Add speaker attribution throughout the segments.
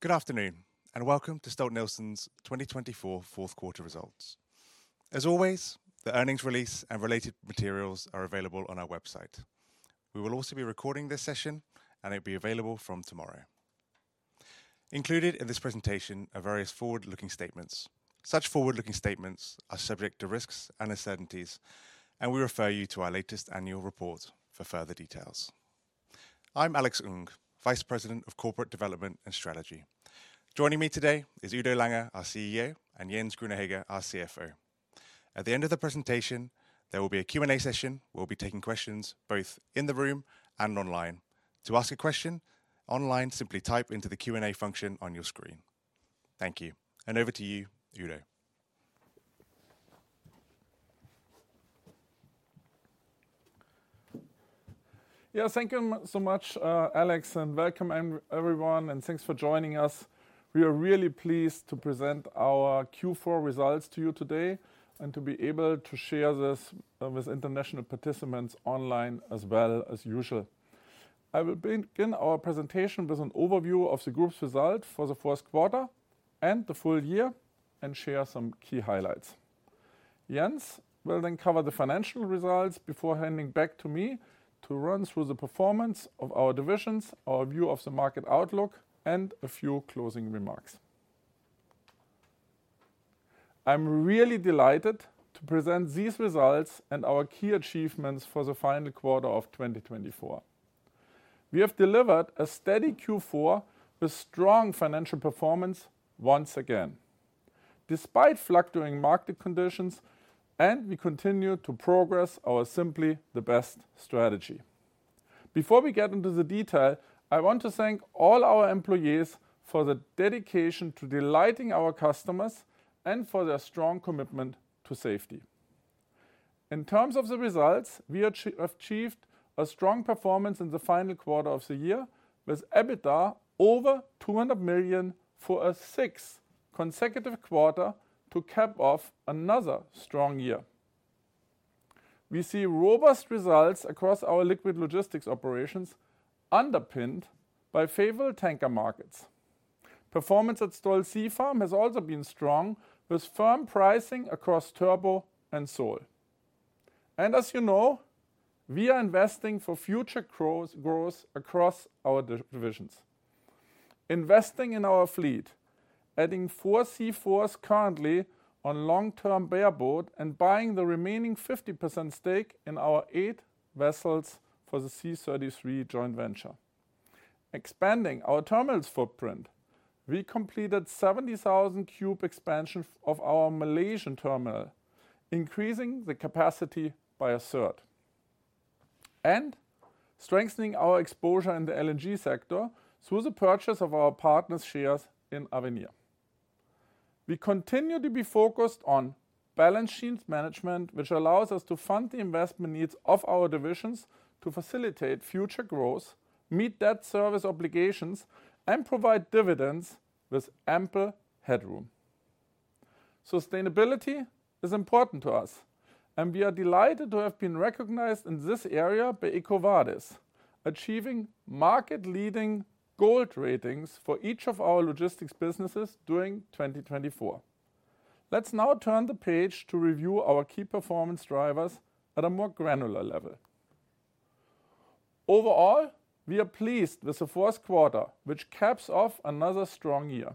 Speaker 1: Good afternoon, and welcome to Stolt-Nielsen's 2024 fourth quarter results. As always, the earnings release and related materials are available on our website. We will also be recording this session, and it will be available from tomorrow. Included in this presentation are various forward-looking statements. Such forward-looking statements are subject to risks and uncertainties, and we refer you to our latest annual report for further details. I'm Alex Ng, Vice President of Corporate Development and Strategy. Joining me today is Udo Lange, our CEO, and Jens Grüner-Hegge, our CFO. At the end of the presentation, there will be a Q&A session. We'll be taking questions both in the room and online. To ask a question online, simply type into the Q&A function on your screen. Thank you, and over to you, Udo.
Speaker 2: Yeah, thank you so much, Alex, and welcome everyone, and thanks for joining us. We are really pleased to present our Q4 results to you today and to be able to share this with international participants online as well as usual. I will begin our presentation with an overview of the group's result for the fourth quarter and the full year and share some key highlights. Jens will then cover the financial results before handing back to me to run through the performance of our divisions, our view of the market outlook, and a few closing remarks. I'm really delighted to present these results and our key achievements for the final quarter of 2024. We have delivered a steady Q4 with strong financial performance once again. Despite fluctuating market conditions, we continue to progress our Simply the Best strategy. Before we get into the detail, I want to thank all our employees for the dedication to delighting our customers and for their strong commitment to safety. In terms of the results, we have achieved a strong performance in the final quarter of the year with EBITDA over $200 million for a sixth consecutive quarter to cap off another strong year. We see robust results across our liquid logistics operations underpinned by favorable tanker markets. Performance at Stolt Sea Farm has also been strong with firm pricing across turbot and sole. And as you know, we are investing for future growth across our divisions. Investing in our fleet, adding four C4s currently on long-term bareboat and buying the remaining 50% stake in our eight vessels for the C33 joint venture. Expanding our terminal's footprint, we completed 70,000 cube expansion of our Malaysian terminal, increasing the capacity by a third. And strengthening our exposure in the LNG sector through the purchase of our partner's shares in Avenir. We continue to be focused on balance sheet management, which allows us to fund the investment needs of our divisions to facilitate future growth, meet debt service obligations, and provide dividends with ample headroom. Sustainability is important to us, and we are delighted to have been recognized in this area by EcoVadis, achieving market-leading gold ratings for each of our logistics businesses during 2024. Let's now turn the page to review our key performance drivers at a more granular level. Overall, we are pleased with the fourth quarter, which caps off another strong year.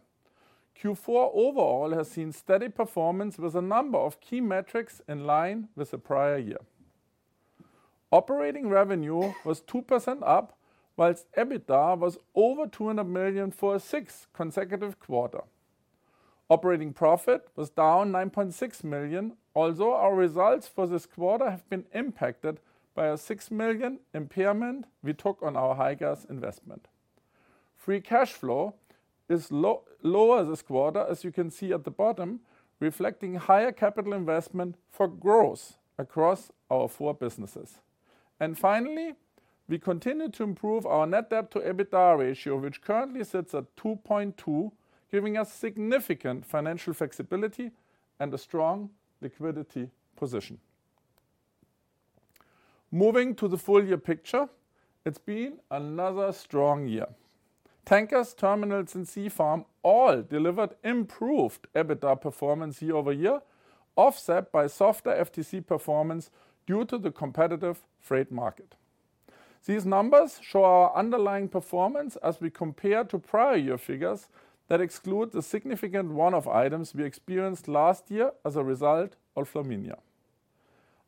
Speaker 2: Q4 overall has seen steady performance with a number of key metrics in line with the prior year. Operating revenue was 2% up, while EBITDA was over $200 million for a sixth consecutive quarter. Operating profit was down $9.6 million. Although our results for this quarter have been impacted by a $6 million impairment, we took on our Higas investment. Free cash flow is lower this quarter, as you can see at the bottom, reflecting higher capital investment for growth across our four businesses. And finally, we continue to improve our net debt to EBITDA ratio, which currently sits at 2.2, giving us significant financial flexibility and a strong liquidity position. Moving to the full year picture, it's been another strong year. Tankers, terminals, and Sea Farm all delivered improved EBITDA performance year over year, offset by softer STC performance due to the competitive freight market. These numbers show our underlying performance as we compare to prior year figures that exclude the significant one-off items we experienced last year as a result of Flaminia.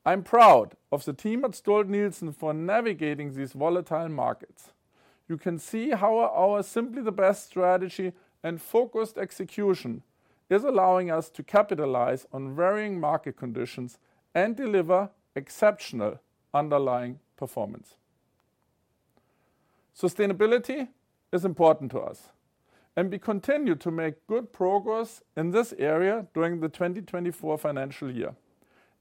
Speaker 2: I'm proud of the team at Stolt-Nielsen for navigating these volatile markets. You can see how our Simply the Best strategy and focused execution is allowing us to capitalize on varying market conditions and deliver exceptional underlying performance. Sustainability is important to us, and we continue to make good progress in this area during the 2024 financial year.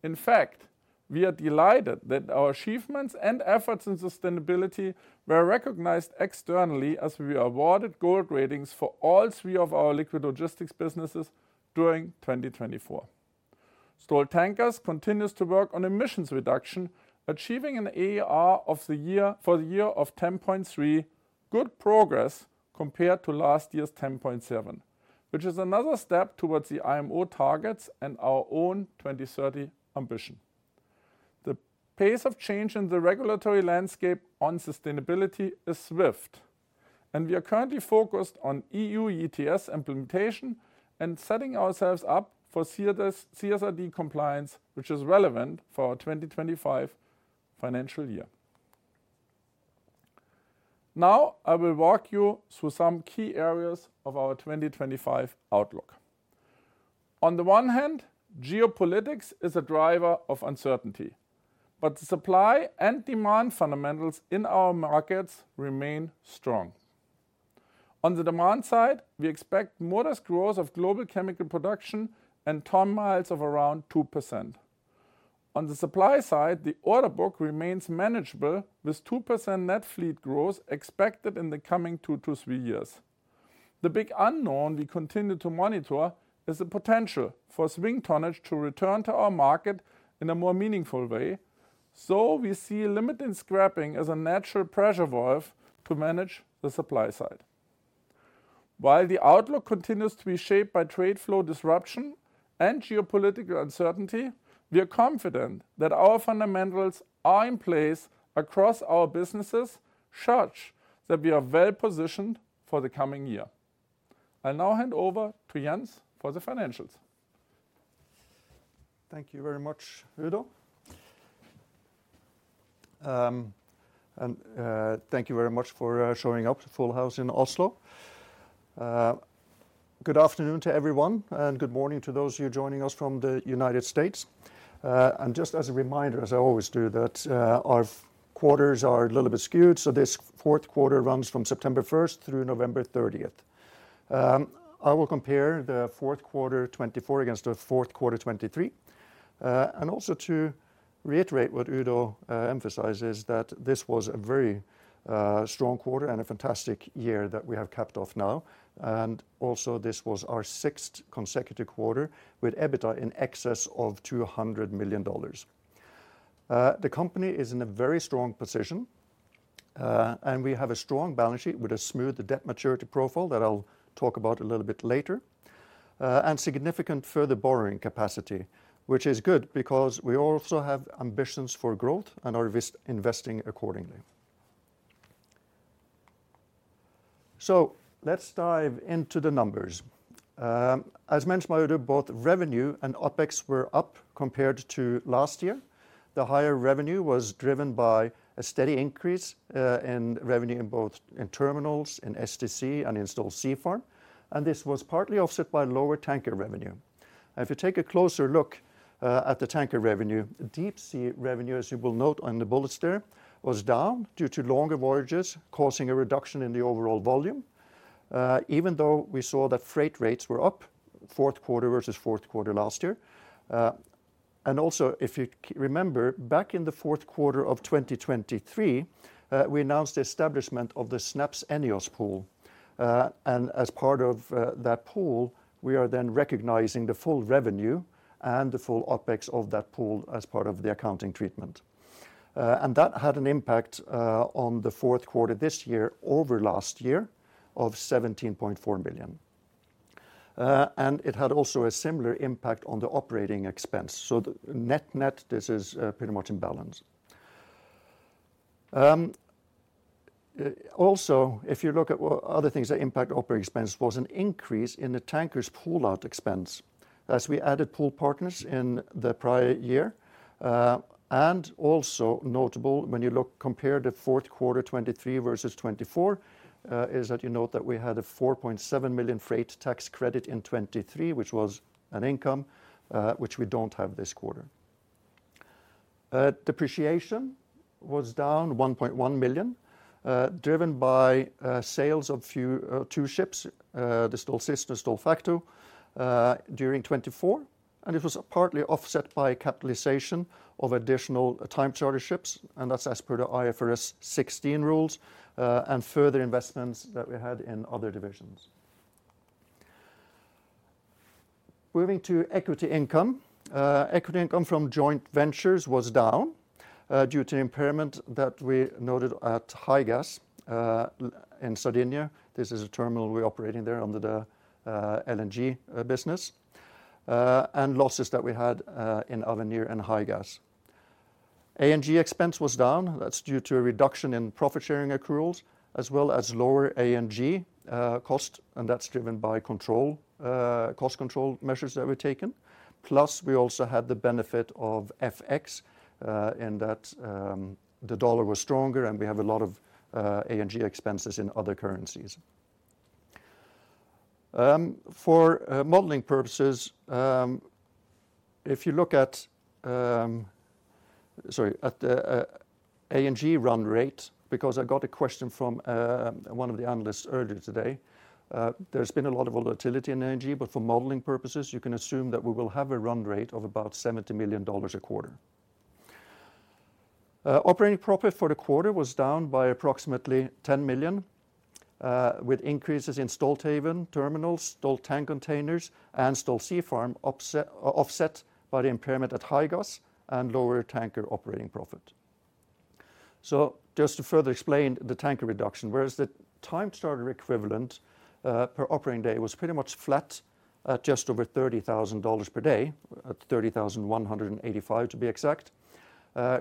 Speaker 2: In fact, we are delighted that our achievements and efforts in sustainability were recognized externally as we were awarded gold ratings for all three of our liquid logistics businesses during 2024. Stolt Tankers continues to work on emissions reduction, achieving an AER for the year of 10.3, good progress compared to last year's 10.7, which is another step towards the IMO targets and our own 2030 ambition. The pace of change in the regulatory landscape on sustainability is swift, and we are currently focused on EU ETS implementation and setting ourselves up for CSRD compliance, which is relevant for our 2025 financial year. Now, I will walk you through some key areas of our 2025 outlook. On the one hand, geopolitics is a driver of uncertainty, but the supply and demand fundamentals in our markets remain strong. On the demand side, we expect modest growth of global chemical production and tonne-miles of around 2%. On the supply side, the order book remains manageable with 2% net fleet growth expected in the coming two to three years. The big unknown we continue to monitor is the potential for swing tonnage to return to our market in a more meaningful way, so we see a limit in scrapping as a natural pressure valve to manage the supply side. While the outlook continues to be shaped by trade flow disruption and geopolitical uncertainty, we are confident that our fundamentals are in place across our businesses, such that we are well positioned for the coming year. I'll now hand over to Jens for the financials.
Speaker 3: Thank you very much, Udo, and thank you very much for showing up to Full House in Oslo. Good afternoon to everyone, and good morning to those who are joining us from the United States, and just as a reminder, as I always do, that our quarters are a little bit skewed, so this fourth quarter runs from September 1st through November 30th. I will compare the fourth quarter 2024 against the fourth quarter 2023, and also to reiterate what Udo emphasizes, that this was a very strong quarter and a fantastic year that we have capped off now, and also, this was our sixth consecutive quarter with EBITDA in excess of $200 million. The company is in a very strong position, and we have a strong balance sheet with a smooth debt maturity profile that I'll talk about a little bit later, and significant further borrowing capacity, which is good because we also have ambitions for growth and are investing accordingly. So let's dive into the numbers. As mentioned by Udo, both revenue and OPEX were up compared to last year. The higher revenue was driven by a steady increase in revenue in both terminals, in STC, and in Stolt Sea Farm, and this was partly offset by lower tanker revenue. If you take a closer look at the tanker revenue, deep-sea revenue, as you will note on the bullets there, was down due to longer voyages, causing a reduction in the overall volume, even though we saw that freight rates were up fourth quarter versus fourth quarter last year. Also, if you remember, back in the fourth quarter of 2023, we announced the establishment of the SNAPS-ENEOS pool. As part of that pool, we are then recognizing the full revenue and the full OPEX of that pool as part of the accounting treatment. That had an impact on the fourth quarter this year over last year of $17.4 million. It had also a similar impact on the operating expense. Net net, this is pretty much in balance. Also, if you look at other things that impact operating expense, there was an increase in the tankers' pull-out expense as we added pool partners in the prior year. Also notable, when you look compare the fourth quarter 2023 versus 2024, is that you note that we had a $4.7 million freight tax credit in 2023, which was an income, which we don't have this quarter. Depreciation was down $1.1 million, driven by sales of two ships, the Stolt Sea and the Stolt Factor, during 2024. And it was partly offset by capitalization of additional time charter ships, and that's as per the IFRS 16 rules and further investments that we had in other divisions. Moving to equity income, equity income from joint ventures was down due to impairment that we noted at Higas in Sardinia. This is a terminal we're operating there under the LNG business and losses that we had in Avenir and Higas. G&A expense was down. That's due to a reduction in profit-sharing accruals, as well as lower OPEX cost, and that's driven by cost control measures that were taken. Plus, we also had the benefit of FX in that the dollar was stronger and we have a lot of OPEX expenses in other currencies. For modeling purposes, if you look at, sorry, at the OPEX run rate, because I got a question from one of the analysts earlier today, there's been a lot of volatility in OPEX, but for modeling purposes, you can assume that we will have a run rate of about $70 million a quarter. Operating profit for the quarter was down by approximately $10 million, with increases in Stolthaven Terminals, Stolt Tank Containers, and Stolt Sea Farm, offset by the impairment at Higas and lower tanker operating profit. Just to further explain the tanker reduction, whereas the time charter equivalent per operating day was pretty much flat at just over $30,000 per day, at 30,185 to be exact,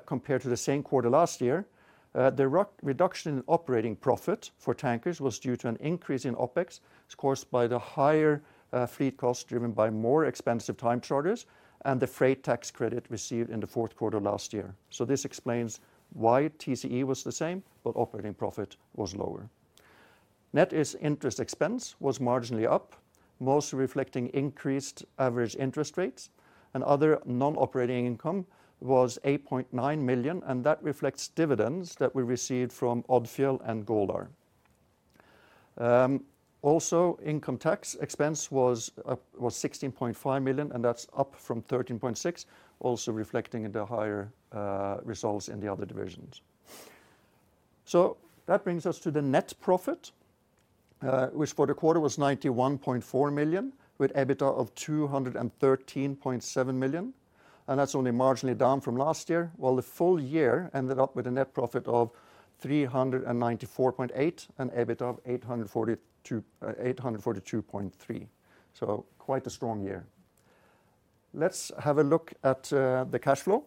Speaker 3: compared to the same quarter last year, the reduction in operating profit for tankers was due to an increase in OPEX caused by the higher fleet cost driven by more expensive time charters and the freight tax credit received in the fourth quarter last year. This explains why TCE was the same, but operating profit was lower. Net interest expense was marginally up, mostly reflecting increased average interest rates, and other non-operating income was $8.9 million, and that reflects dividends that we received from Odfjell and Golar. Also, income tax expense was $16.5 million, and that's up from $13.6 million, also reflecting in the higher results in the other divisions. So that brings us to the net profit, which for the quarter was $91.4 million, with EBITDA of $213.7 million. And that's only marginally down from last year, while the full year ended up with a net profit of $394.8 million and EBITDA of $842.3 million. So quite a strong year. Let's have a look at the cash flow.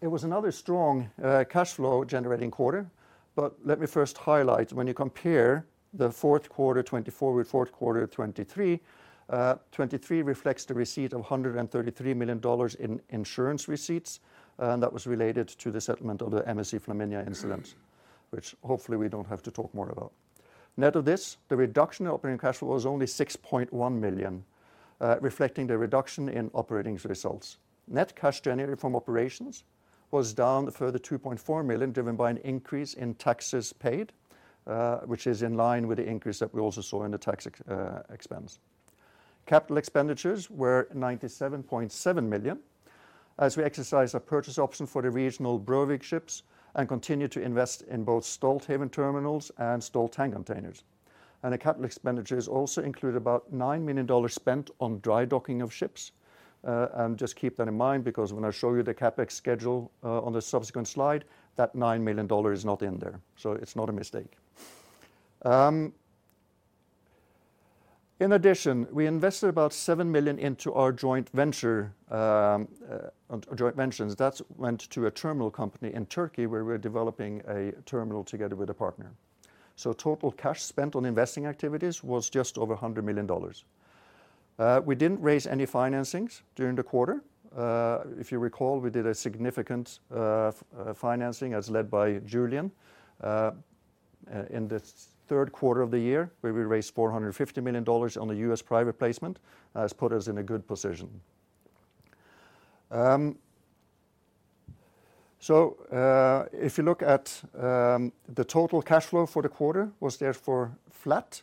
Speaker 3: It was another strong cash flow generating quarter, but let me first highlight when you compare the fourth quarter 2024 with fourth quarter 2023. 2023 reflects the receipt of $133 million in insurance receipts, and that was related to the settlement of the MSC Flaminia incident, which hopefully we don't have to talk more about. Net of this, the reduction in operating cash flow was only $6.1 million, reflecting the reduction in operating results. Net cash generated from operations was down further $2.4 million, driven by an increase in taxes paid, which is in line with the increase that we also saw in the tax expense. Capital expenditures were $97.7 million as we exercised our purchase option for the regional Brovik ships and continued to invest in both Stolthaven terminals and Stolt Tank Containers. The capital expenditures also included about $9 million spent on dry docking of ships. Just keep that in mind because when I show you the CapEx schedule on the subsequent slide, that $9 million is not in there, so it's not a mistake. In addition, we invested about $7 million into our joint ventures. That went to a terminal company in Turkey where we're developing a terminal together with a partner, so total cash spent on investing activities was just over $100 million. We didn't raise any financings during the quarter. If you recall, we did a significant financing as led by Julian in the third quarter of the year, where we raised $450 million on the US private placement, as put us in a good position. So if you look at the total cash flow for the quarter, it was therefore flat,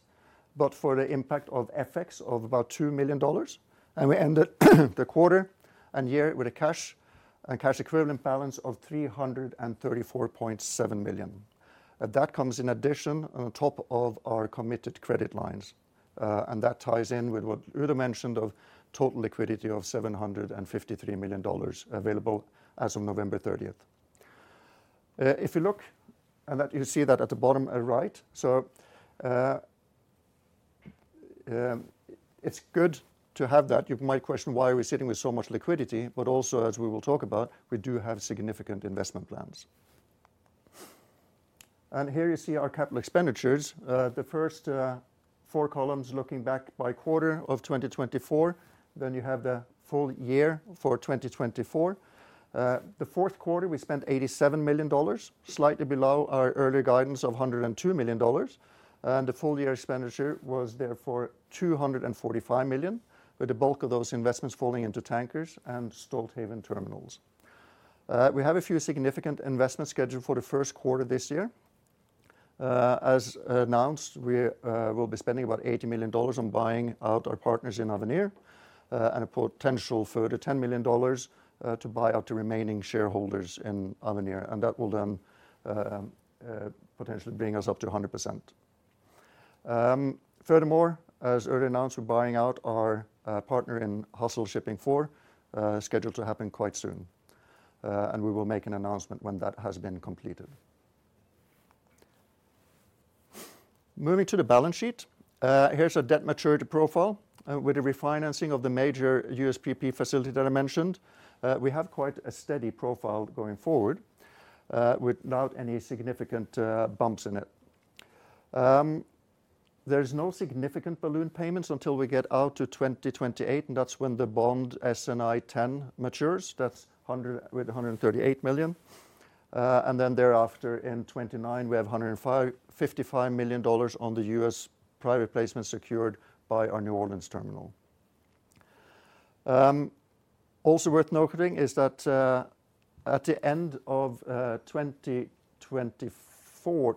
Speaker 3: but for the impact of FX of about $2 million. And we ended the quarter and year with a cash and cash equivalent balance of $334.7 million. That comes in addition on top of our committed credit lines. And that ties in with what Udo mentioned of total liquidity of $753 million available as of November 30th. If you look and that you see that at the bottom right, so it's good to have that. You might question why are we sitting with so much liquidity, but also, as we will talk about, we do have significant investment plans. Here you see our capital expenditures. The first four columns looking back by quarter of 2024, then you have the full year for 2024. The fourth quarter, we spent $87 million, slightly below our earlier guidance of $102 million. The full year expenditure was therefore $245 million, with the bulk of those investments falling into tankers and Stolthaven terminals. We have a few significant investments scheduled for the first quarter this year. As announced, we will be spending about $80 million on buying out our partners in Avenir and a potential further $10 million to buy out the remaining shareholders in Avenir. That will then potentially bring us up to 100%. Furthermore, as earlier announced, we're buying out our partner in Hassel Shipping IV, scheduled to happen quite soon, and we will make an announcement when that has been completed. Moving to the balance sheet, here's a debt maturity profile with a refinancing of the major USPP facility that I mentioned. We have quite a steady profile going forward without any significant bumps in it. There's no significant balloon payments until we get out to 2028, and that's when the bond SNI 10 matures. That's with $138 million, and then thereafter, in 2029, we have $155 million on the US private placement secured by our New Orleans terminal. Also worth noting is that at the end of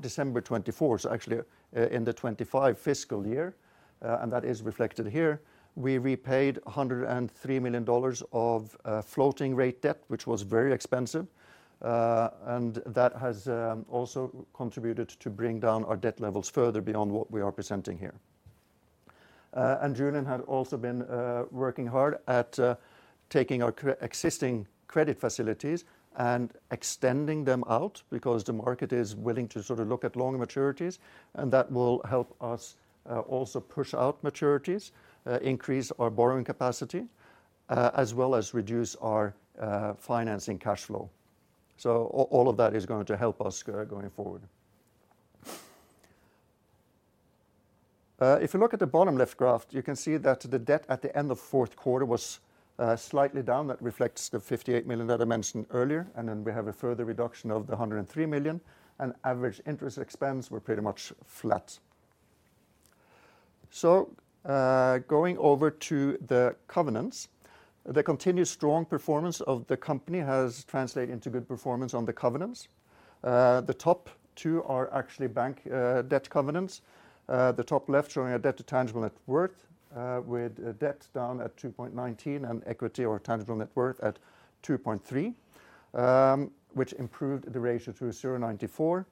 Speaker 3: December 2024, so actually in the 2025 fiscal year, and that is reflected here, we repaid $103 million of floating rate debt, which was very expensive. And that has also contributed to bring down our debt levels further beyond what we are presenting here. And Julian had also been working hard at taking our existing credit facilities and extending them out because the market is willing to sort of look at longer maturities. And that will help us also push out maturities, increase our borrowing capacity, as well as reduce our financing cash flow. So all of that is going to help us going forward. If you look at the bottom left graph, you can see that the debt at the end of fourth quarter was slightly down. That reflects the $58 million that I mentioned earlier. And then we have a further reduction of the $103 million. And average interest expense were pretty much flat. So going over to the covenants, the continued strong performance of the company has translated into good performance on the covenants. The top two are actually bank debt covenants. The top left showing a debt to tangible net worth with debt down at 2.19 and equity or tangible net worth at 2.3, which improved the ratio to 0.94.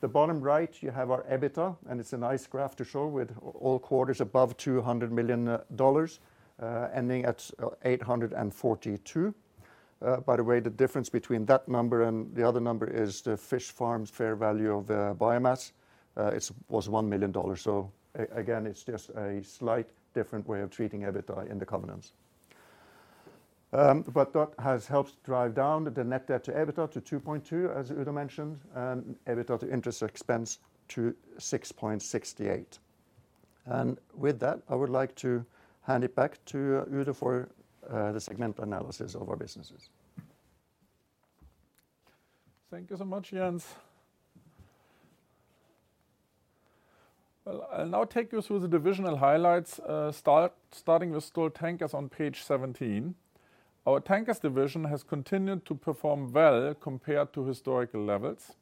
Speaker 3: The bottom right, you have our EBITDA, and it's a nice graph to show with all quarters above $200 million ending at 842. By the way, the difference between that number and the other number is the fish farms fair value of biomass. It was $1 million. So again, it's just a slight different way of treating EBITDA in the covenants. But that has helped drive down the net debt to EBITDA to 2.2, as Udo mentioned, and EBITDA to interest expense to 6.68. With that, I would like to hand it back to Udo for the segment analysis of our businesses.
Speaker 2: Thank you so much, Jens. I'll now take you through the divisional highlights, starting with Stolt Tankers on page 17. Our tankers division has continued to perform well compared to historical levels.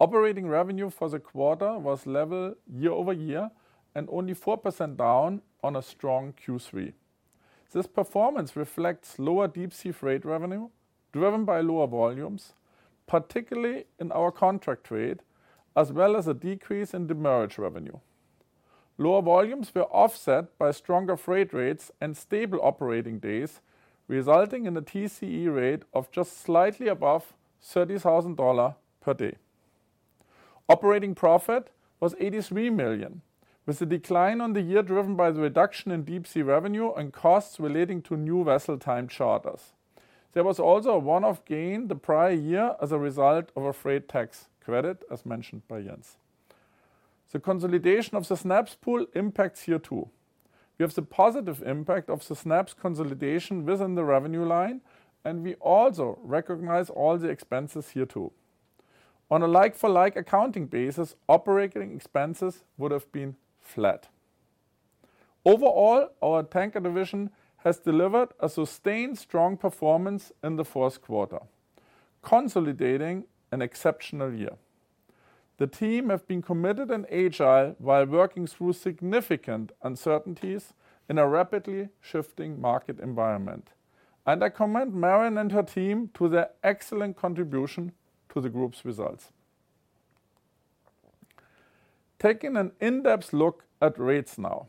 Speaker 2: Operating revenue for the quarter was level year over year and only 4% down on a strong Q3. This performance reflects lower deep sea freight revenue driven by lower volumes, particularly in our contract trade, as well as a decrease in the merchant revenue. Lower volumes were offset by stronger freight rates and stable operating days, resulting in a TCE rate of just slightly above $30,000 per day. Operating profit was $83 million, with a decline on the year driven by the reduction in deep sea revenue and costs relating to new vessel time charters. There was also a one-off gain the prior year as a result of a freight tax credit, as mentioned by Jens. The consolidation of the SNAPS pool impacts here too. We have the positive impact of the SNAPS consolidation within the revenue line, and we also recognize all the expenses here too. On a like-for-like accounting basis, operating expenses would have been flat. Overall, our tanker division has delivered a sustained strong performance in the fourth quarter, consolidating an exceptional year. The team have been committed and agile while working through significant uncertainties in a rapidly shifting market environment, and I commend Maren and her team to their excellent contribution to the group's results. Taking an in-depth look at rates now,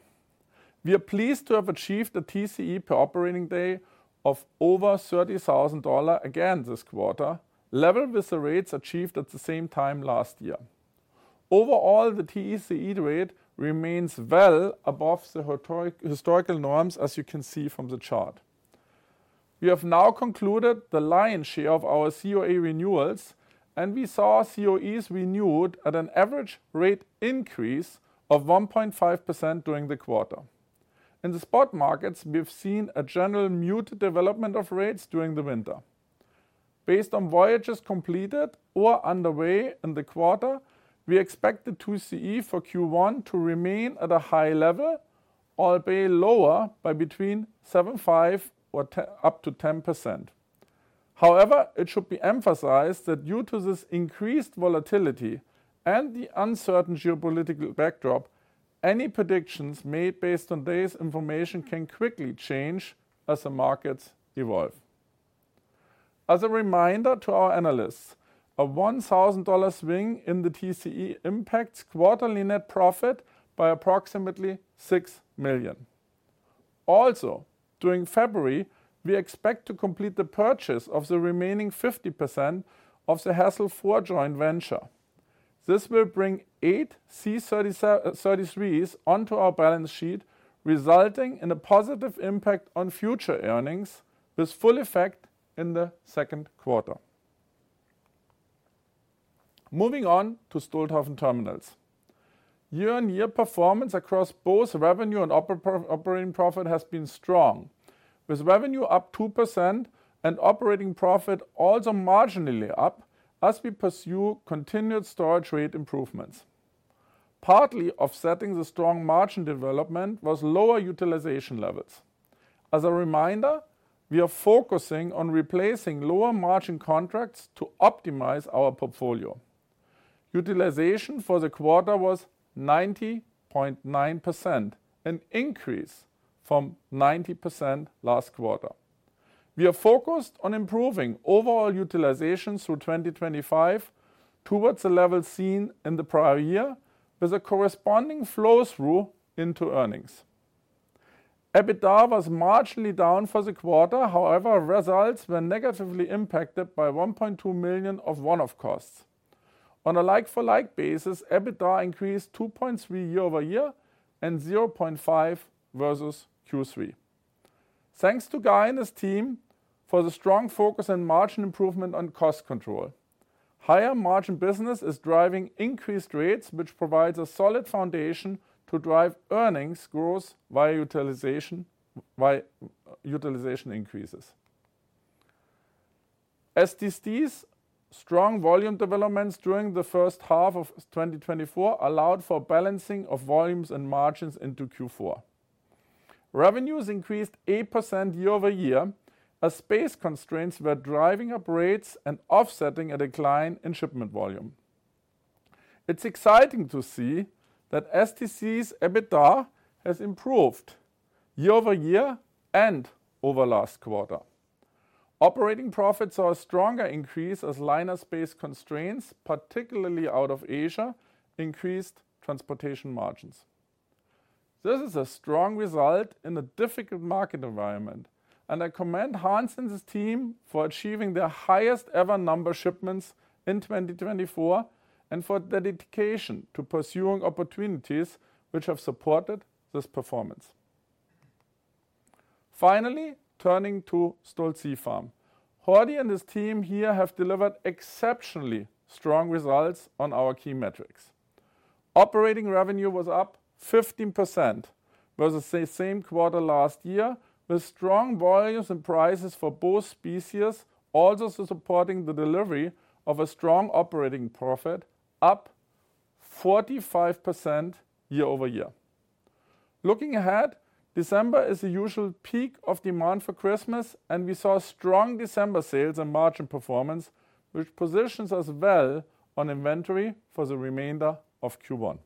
Speaker 2: we are pleased to have achieved a TCE per operating day of over $30,000 again this quarter, level with the rates achieved at the same time last year. Overall, the TCE rate remains well above the historical norms, as you can see from the chart. We have now concluded the lion's share of our COA renewals, and we saw COAs renewed at an average rate increase of 1.5% during the quarter. In the spot markets, we've seen a general muted development of rates during the winter. Based on voyages completed or underway in the quarter, we expect the TCE for Q1 to remain at a high level, albeit lower by between 7.5%-10%. However, it should be emphasized that due to this increased volatility and the uncertain geopolitical backdrop, any predictions made based on this information can quickly change as the markets evolve. As a reminder to our analysts, a $1,000 swing in the TCE impacts quarterly net profit by approximately $6 million. Also, during February, we expect to complete the purchase of the remaining 50% of the Hassel Shipping IV joint venture. This will bring eight C33s onto our balance sheet, resulting in a positive impact on future earnings with full effect in the second quarter. Moving on to Stolthaven Terminals, year-on-year performance across both revenue and operating profit has been strong, with revenue up 2% and operating profit also marginally up as we pursue continued storage rate improvements. Partly offsetting the strong margin development was lower utilization levels. As a reminder, we are focusing on replacing lower margin contracts to optimize our portfolio. Utilization for the quarter was 90.9%, an increase from 90% last quarter. We are focused on improving overall utilization through 2025 towards the level seen in the prior year, with a corresponding flow through into earnings. EBITDA was marginally down for the quarter. However, results were negatively impacted by $1.2 million of one-off costs. On a like-for-like basis, EBITDA increased 2.3% year over year and 0.5% versus Q3. Thanks to Guy and his team for the strong focus and margin improvement on cost control. Higher margin business is driving increased rates, which provides a solid foundation to drive earnings growth via utilization increases. STC's strong volume developments during the first half of 2024 allowed for balancing of volumes and margins into Q4. Revenues increased 8% year over year, as space constraints were driving up rates and offsetting a decline in shipment volume. It's exciting to see that STC's EBITDA has improved year over year and over last quarter. Operating profits saw a stronger increase as liner space constraints, particularly out of Asia, increased transportation margins. This is a strong result in a difficult market environment, and I commend Hans and his team for achieving their highest ever number of shipments in 2024 and for their dedication to pursuing opportunities which have supported this performance. Finally, turning to Stolt Sea Farm, Jordi and his team here have delivered exceptionally strong results on our key metrics. Operating revenue was up 15% versus the same quarter last year, with strong volumes and prices for both species, also supporting the delivery of a strong operating profit up 45% year over year. Looking ahead, December is the usual peak of demand for Christmas, and we saw strong December sales and margin performance, which positions us well on inventory for the remainder of Q1.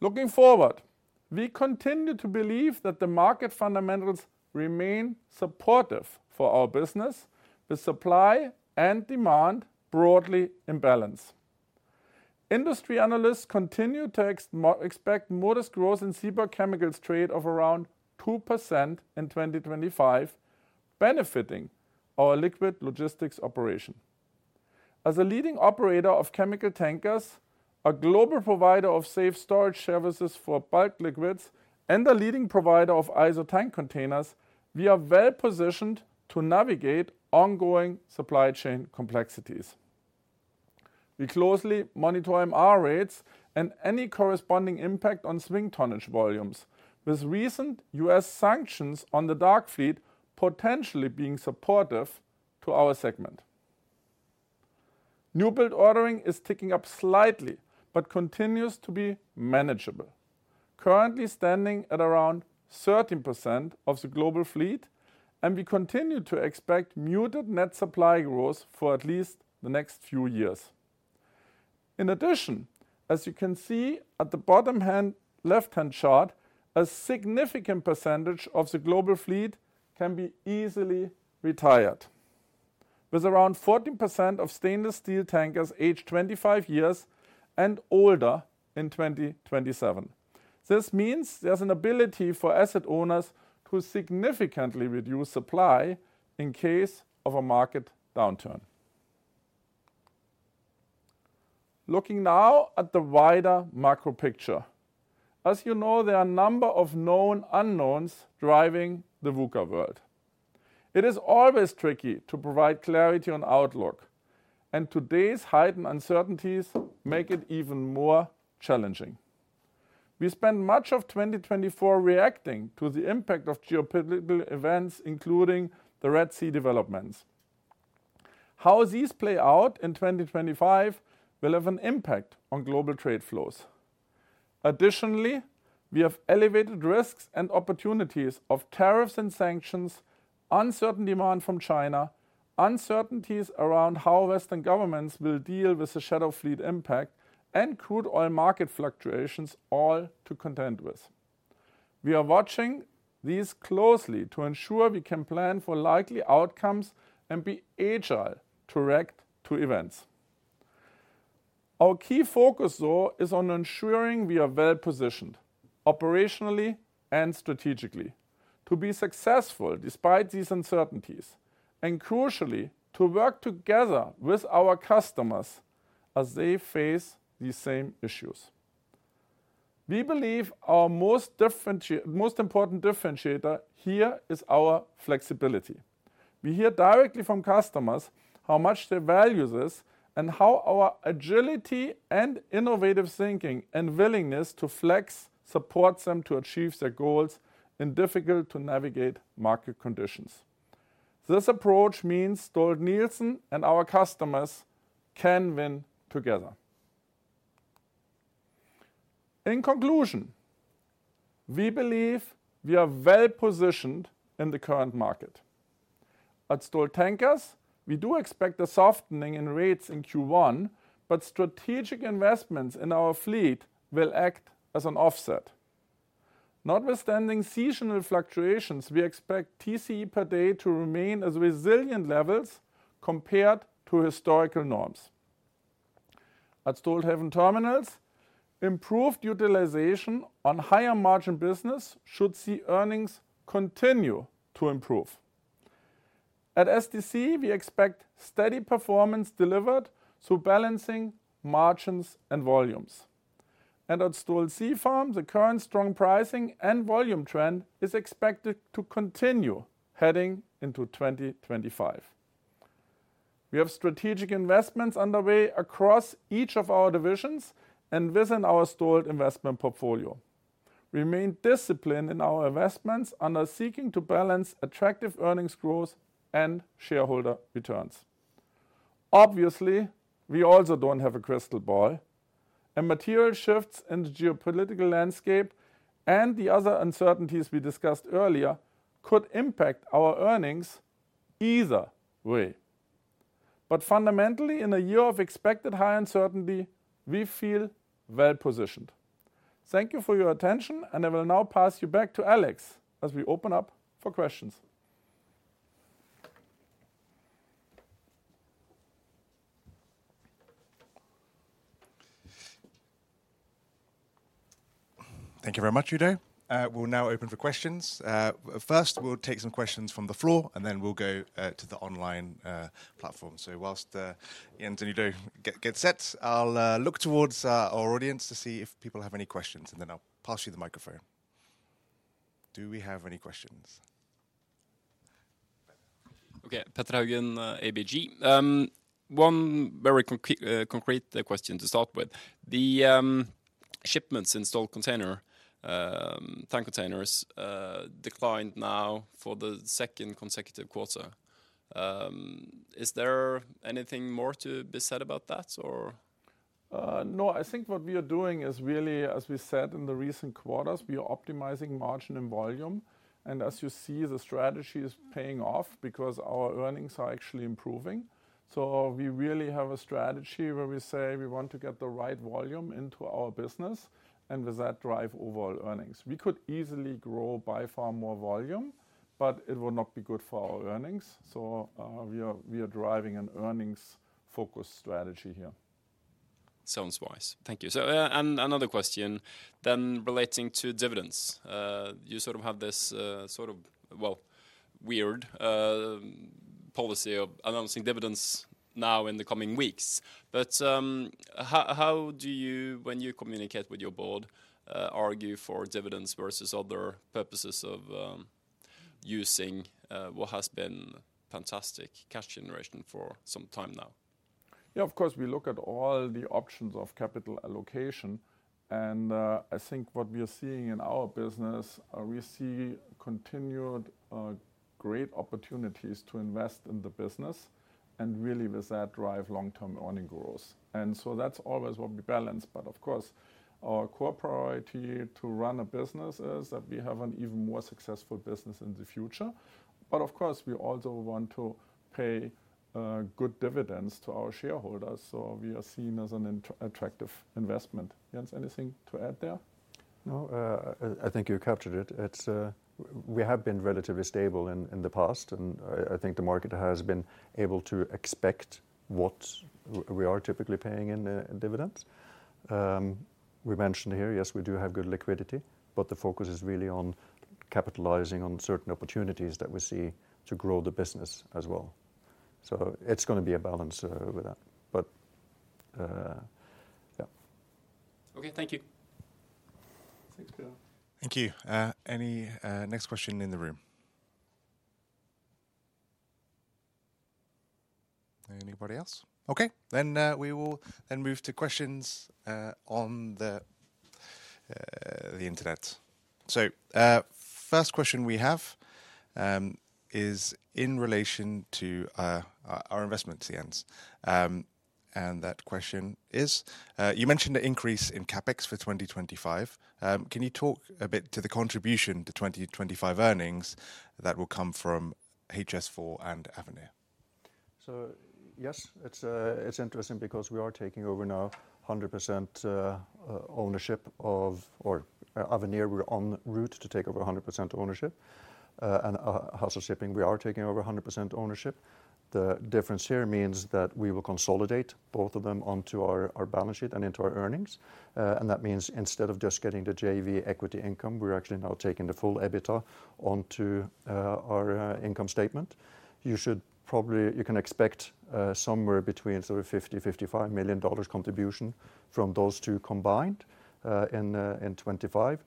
Speaker 2: Looking forward, we continue to believe that the market fundamentals remain supportive for our business, with supply and demand broadly in balance. Industry analysts continue to expect modest growth in global chemicals trade of around 2% in 2025, benefiting our liquid logistics operation. As a leading operator of chemical tankers, a global provider of safe storage services for bulk liquids, and a leading provider of ISO tank containers, we are well positioned to navigate ongoing supply chain complexities. We closely monitor MR rates and any corresponding impact on swing tonnage volumes, with recent U.S. sanctions on the dark fleet potentially being supportive to our segment. New build ordering is ticking up slightly but continues to be manageable, currently standing at around 13% of the global fleet, and we continue to expect muted net supply growth for at least the next few years. In addition, as you can see at the bottom left-hand chart, a significant percentage of the global fleet can be easily retired, with around 14% of stainless steel tankers aged 25 years and older in 2027. This means there's an ability for asset owners to significantly reduce supply in case of a market downturn. Looking now at the wider macro picture, as you know, there are a number of known unknowns driving the VUCA world. It is always tricky to provide clarity on outlook, and today's heightened uncertainties make it even more challenging. We spent much of 2024 reacting to the impact of geopolitical events, including the Red Sea developments. How these play out in 2025 will have an impact on global trade flows.
Speaker 3: Additionally, we have elevated risks and opportunities of tariffs and sanctions, uncertain demand from China, uncertainties around how Western governments will deal with the shadow fleet impact, and crude oil market fluctuations all to contend with. We are watching these closely to ensure we can plan for likely outcomes and be agile to react to events. Our key focus, though, is on ensuring we are well positioned operationally and strategically to be successful despite these uncertainties, and crucially, to work together with our customers as they face these same issues. We believe our most important differentiator here is our flexibility. We hear directly from customers how much they value this and how our agility and innovative thinking and willingness to flex supports them to achieve their goals in difficult-to-navigate market conditions. This approach means Stolt-Nielsen and our customers can win together. In conclusion, we believe we are well positioned in the current market. At Stolt Tankers, we do expect a softening in rates in Q1, but strategic investments in our fleet will act as an offset. Notwithstanding seasonal fluctuations, we expect TCE per day to remain at resilient levels compared to historical norms. At Stolthaven Terminals, improved utilization on higher margin business should see earnings continue to improve. At STC, we expect steady performance delivered through balancing margins and volumes, and at Stolt Sea Farm, the current strong pricing and volume trend is expected to continue heading into 2025. We have strategic investments underway across each of our divisions and within our Stolt investment portfolio. We remain disciplined in our investments and are seeking to balance attractive earnings growth and shareholder returns. Obviously, we also don't have a crystal ball. Material shifts in the geopolitical landscape and the other uncertainties we discussed earlier could impact our earnings either way. But fundamentally, in a year of expected high uncertainty, we feel well positioned. Thank you for your attention, and I will now pass you back to Alex as we open up for questions.
Speaker 1: Thank you very much, Udo. We'll now open for questions. First, we'll take some questions from the floor, and then we'll go to the online platform. So while Jens and Udo get set, I'll look towards our audience to see if people have any questions, and then I'll pass you the microphone. Do we have any questions?
Speaker 4: Okay, Petter Haugen, ABG. One very concrete question to start with. The shipments in Stolt Tank Containers declined now for the second consecutive quarter. Is there anything more to be said about that, or? No, I think what we are doing is really, as we said in the recent quarters, we are optimizing margin and volume. And as you see, the strategy is paying off because our earnings are actually improving. So we really have a strategy where we say we want to get the right volume into our business, and with that, drive overall earnings. We could easily grow by far more volume, but it will not be good for our earnings. So we are driving an earnings-focused strategy here. Sounds wise. Thank you. So another question then relating to dividends. You sort of have this sort of, well, weird policy of announcing dividends now in the coming weeks. But how do you, when you communicate with your board, argue for dividends versus other purposes of using what has been fantastic cash generation for some time now?
Speaker 2: Yeah, of course, we look at all the options of capital allocation, and I think what we are seeing in our business, we see continued great opportunities to invest in the business and really with that drive long-term earnings growth. And so that's always what we balance. But of course, our core priority to run a business is that we have an even more successful business in the future. But of course, we also want to pay good dividends to our shareholders. So we are seen as an attractive investment. Jens, anything to add there?
Speaker 3: No, I think you captured it. We have been relatively stable in the past, and I think the market has been able to expect what we are typically paying in dividends. We mentioned here, yes, we do have good liquidity, but the focus is really on capitalizing on certain opportunities that we see to grow the business as well. So it's going to be a balance with that. But yeah.
Speaker 4: Okay, thank you.
Speaker 1: Thank you. Any next question in the room? Anybody else? Okay, then we will then move to questions on the internet. So first question we have is in relation to our investment, Jens. And that question is, you mentioned an increase in CapEx for 2025. Can you talk a bit to the contribution to 2025 earnings that will come from HS4 and Avenir?
Speaker 3: Yes, it's interesting because we are taking over now 100% ownership of Avenir. We're en route to take over 100% ownership. And Hassel Shipping, we are taking over 100% ownership. The difference here means that we will consolidate both of them onto our balance sheet and into our earnings. And that means instead of just getting the JV equity income, we're actually now taking the full EBITDA onto our income statement. You should probably, you can expect somewhere between $50-$55 million contribution from those two combined in 2025.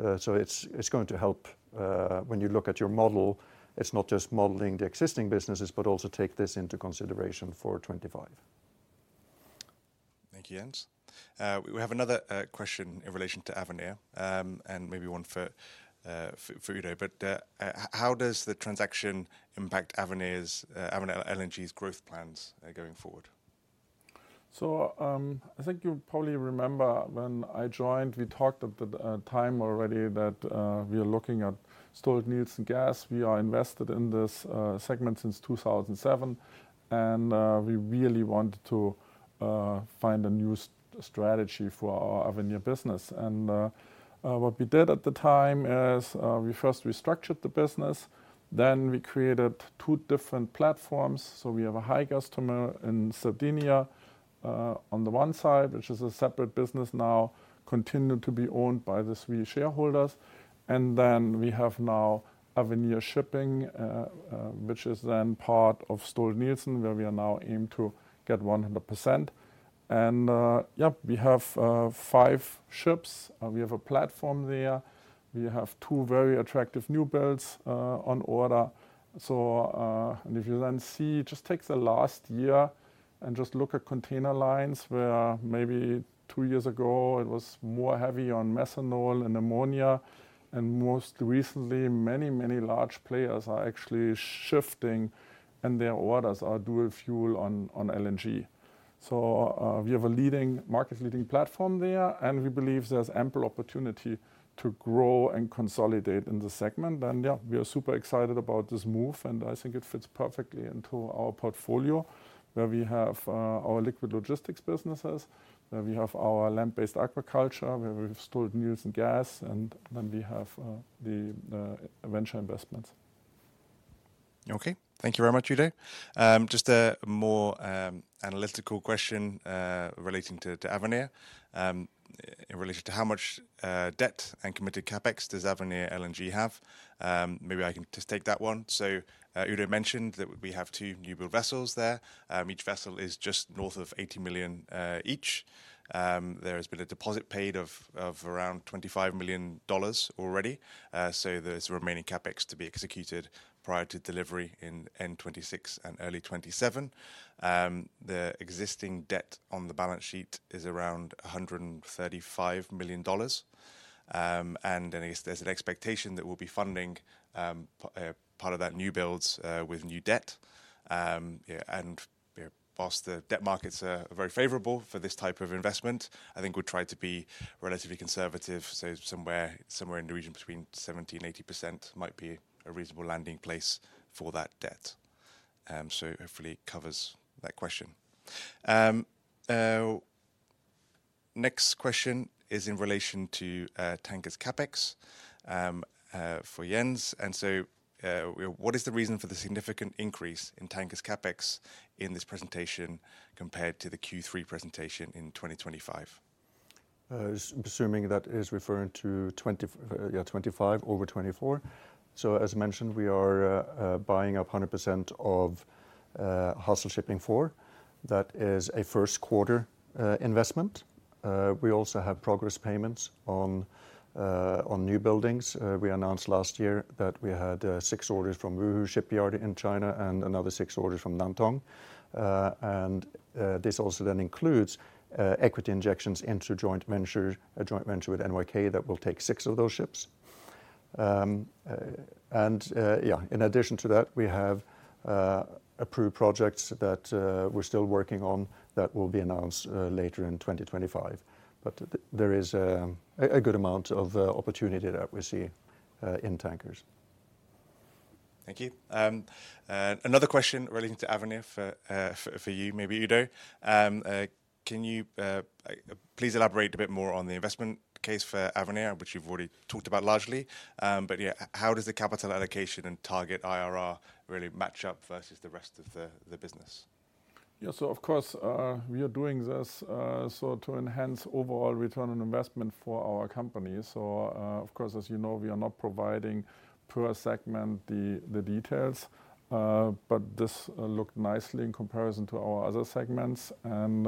Speaker 3: It's going to help when you look at your model. It's not just modeling the existing businesses, but also take this into consideration for 2025.
Speaker 1: Thank you, Jens. We have another question in relation to Avenir and maybe one for Udo. But how does the transaction impact Avenir LNG's growth plans going forward?
Speaker 2: So I think you probably remember when I joined, we talked at the time already that we are looking at Stolt-Nielsen Gas. We are invested in this segment since 2007, and we really wanted to find a new strategy for our Avenir business. And what we did at the time is we first restructured the business, then we created two different platforms. So we have Higas in Sardinia on the one side, which is a separate business now, continued to be owned by the three shareholders. And then we have now Avenir Shipping, which is then part of Stolt-Nielsen, where we are now aiming to get 100%. And yeah, we have five ships. We have a platform there. We have two very attractive new builds on order. And if you then see, just take the last year and just look at container lines where maybe two years ago it was more heavy on methanol and ammonia. And most recently, many, many large players are actually shifting and their orders are dual fuel on LNG. So we have a leading market-leading platform there, and we believe there's ample opportunity to grow and consolidate in the segment. And yeah, we are super excited about this move, and I think it fits perfectly into our portfolio where we have our liquid logistics businesses, where we have our land-based aquaculture, where we have Stolt-Nielsen Gas, and then we have the venture investments.
Speaker 1: Okay, thank you very much, Udo. Just a more analytical question relating to Avenir in relation to how much debt and committed CapEx does Avenir LNG have? Maybe I can just take that one. So Udo mentioned that we have two new build vessels there. Each vessel is just north of $80 million each. There has been a deposit paid of around $25 million already. So there's remaining CapEx to be executed prior to delivery in 2026 and early 2027. The existing debt on the balance sheet is around $135 million. And I guess there's an expectation that we'll be funding part of that new builds with new debt. And while the debt markets are very favorable for this type of investment, I think we'll try to be relatively conservative. So somewhere in the region between 70% and 80% might be a reasonable landing place for that debt. So hopefully it covers that question. Next question is in relation to tanker's CapEx for Jens. And so what is the reason for the significant increase in tanker's CapEx in this presentation compared to the Q3 presentation in 2025?
Speaker 3: Assuming that is referring to 2025 over 2024. So as mentioned, we are buying up 100% of Hassel Shipping IV. That is a first quarter investment. We also have progress payments on new buildings. We announced last year that we had six orders from Wuhu Shipyard in China and another six orders from Nantong. And this also then includes equity injections into a joint venture with NYK that will take six of those ships. And yeah, in addition to that, we have approved projects that we're still working on that will be announced later in 2025. But there is a good amount of opportunity that we see in tankers.
Speaker 1: Thank you. Another question relating to Avenir for you, maybe Udo. Can you please elaborate a bit more on the investment case for Avenir, which you've already talked about largely? But yeah, how does the capital allocation and target IRR really match up versus the rest of the business?
Speaker 2: Yeah, so of course, we are doing this to enhance overall return on investment for our company. So of course, as you know, we are not providing per segment the details, but this looked nicely in comparison to our other segments. And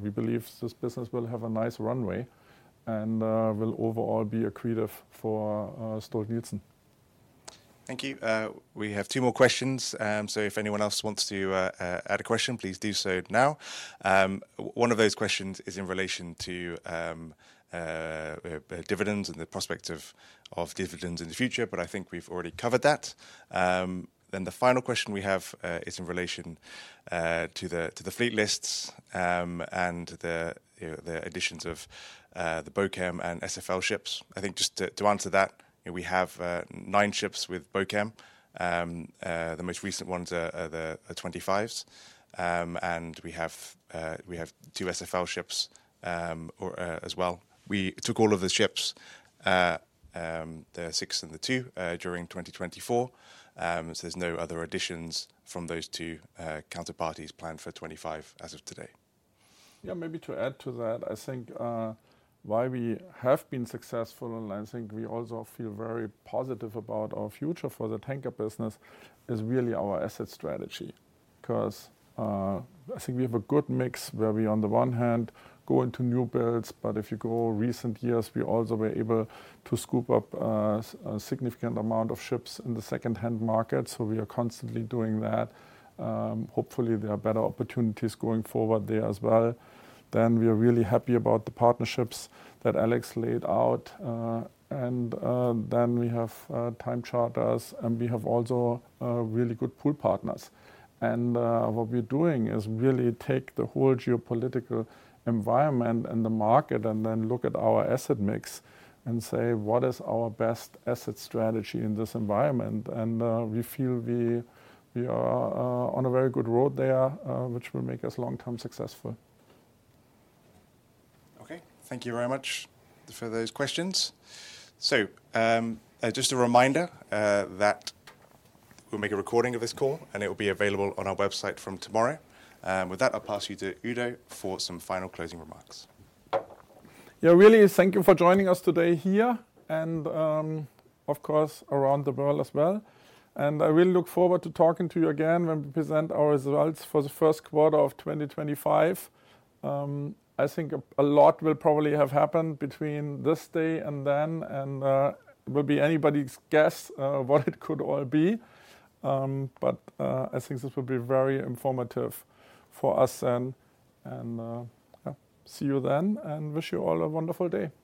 Speaker 2: we believe this business will have a nice runway and will overall be accretive for Stolt-Nielsen.
Speaker 1: Thank you. We have two more questions. So if anyone else wants to add a question, please do so now. One of those questions is in relation to dividends and the prospect of dividends in the future, but I think we've already covered that. Then the final question we have is in relation to the fleet lists and the additions of the Bochem and SFL ships. I think just to answer that, we have nine ships with Bochem. The most recent ones are the 25s. And we have two SFL ships as well. We took all of the ships, the six and the two, during 2024. So there's no other additions from those two counterparties planned for 2025 as of today.
Speaker 2: Yeah, maybe to add to that, I think why we have been successful, and I think we also feel very positive about our future for the tanker business, is really our asset strategy. Because I think we have a good mix where we on the one hand go into new builds, but if you go recent years, we also were able to scoop up a significant amount of ships in the second-hand market. So we are constantly doing that. Hopefully, there are better opportunities going forward there as well. Then we are really happy about the partnerships that Alex laid out. And then we have time charters, and we have also really good pool partners. And what we're doing is really take the whole geopolitical environment and the market and then look at our asset mix and say, what is our best asset strategy in this environment? We feel we are on a very good road there, which will make us long-term successful.
Speaker 1: Okay, thank you very much for those questions. So just a reminder that we'll make a recording of this call, and it will be available on our website from tomorrow. With that, I'll pass you to Udo for some final closing remarks. Yeah, really, thank you for joining us today here and of course around the world as well. And I really look forward to talking to you again when we present our results for the first quarter of 2025. I think a lot will probably have happened between this day and then, and it will be anybody's guess what it could all be. But I think this will be very informative for us then. And yeah, see you then and wish you all a wonderful day.